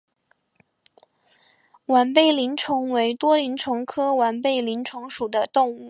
完背鳞虫为多鳞虫科完背鳞虫属的动物。